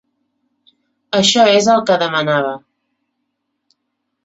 Això és el que demanava.